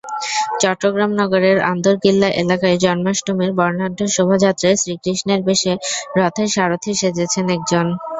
চট্টগ্রাম নগরের আন্দরকিল্লা এলাকায় জন্মাষ্টমীর বর্ণাঢ্য শোভাযাত্রায় শ্রীকৃষ্ণের বেশে রথের সারথি সেজেছেন একজন।